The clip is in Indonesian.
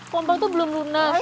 kompor itu belum lunas